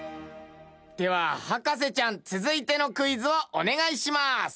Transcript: では博士ちゃん続いてのクイズをお願いします。